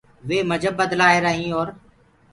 وي مجب بدلآهيرآ هينٚ اور